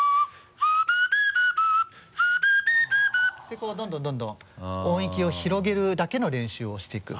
てこうどんどん音域を広げるだけの練習をしていく。